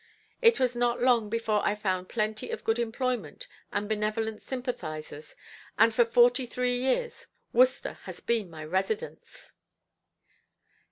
It was not long before I found plenty of good employment and benevolent sympathizers, and for forty three years Worcester has been my residence.